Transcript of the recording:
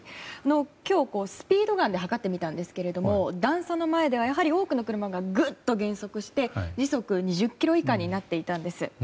今日、スピードガンで測ってみたんですけれども段差の前では、やはり多くの車がぐっと減速して時速２０キロ以下になっていたんです。